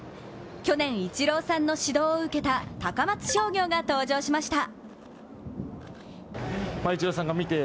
去年、イチローさんの指導を受けた高松商業が登場しました。